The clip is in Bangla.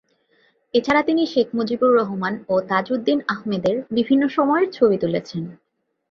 এছাড়া তিনি শেখ মুজিবুর রহমান ও তাজউদ্দীন আহমদের বিভিন্ন সময়ের ছবি তুলেছেন।